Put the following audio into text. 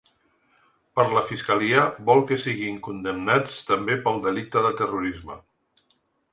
Per la fiscalia vol que siguin condemnats també pel delicte de terrorisme.